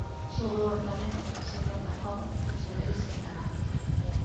Sobre o orzamento, señor Dacova, non se deixe enganar.